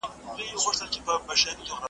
پر هوښ راغی ته وا مړی را ژوندی سو .